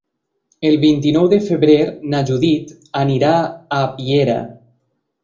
El vint-i-nou de febrer na Judit anirà a Piera.